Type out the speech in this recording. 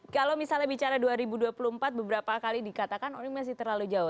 kalau misalnya bicara dua ribu dua puluh empat beberapa kali dikatakan orangnya masih terlalu jauh